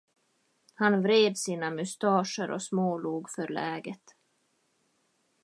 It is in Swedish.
Han vred sina mustascher och smålog förläget.